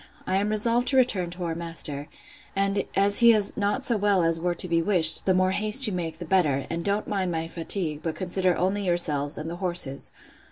I am resolved to return to our master; and as he is not so well as were to be wished, the more haste you make the better: and don't mind my fatigue, but consider only yourselves, and the horses.